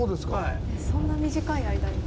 そんな短い間に。